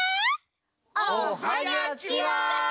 おはにゃちは！